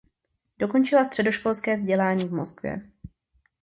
Dokončila středoškolské vzdělání v Moskvě.